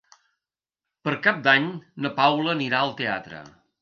Per Cap d'Any na Paula anirà al teatre.